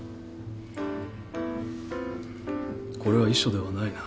これは遺書ではないな。